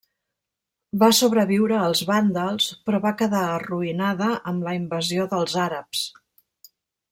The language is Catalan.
Va sobreviure als vàndals, però va quedar arruïnada amb la invasió dels àrabs.